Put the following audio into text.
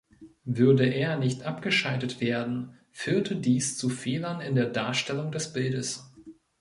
Würde er nicht abgeschaltet werden, führte dies zu Fehlern in der Darstellung des Bildes.